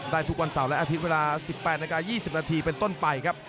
ทุกวันเสาร์และอาทิตย์เวลา๑๘นาที๒๐นาทีเป็นต้นไปครับ